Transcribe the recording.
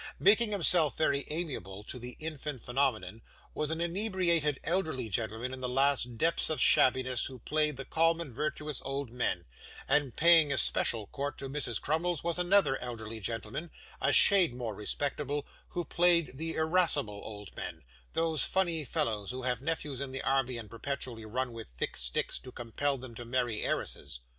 Making himself very amiable to the infant phenomenon, was an inebriated elderly gentleman in the last depths of shabbiness, who played the calm and virtuous old men; and paying especial court to Mrs Crummles was another elderly gentleman, a shade more respectable, who played the irascible old men those funny fellows who have nephews in the army and perpetually run about with thick sticks to compel them to marry heiresses.